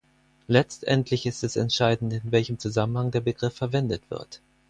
Letztendlich ist es entscheidend, in welchem Zusammenhang der Begriff verwendet wird.